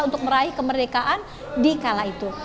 untuk meraih kemerdekaan di kala itu